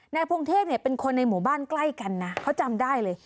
พงเทพเนี่ยเป็นคนในหมู่บ้านใกล้กันนะเขาจำได้เลย